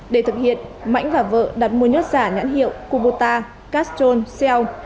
để thực hiện mãnh và vợ đặt mua nhớt giả nhãn hiệu kubota castron shell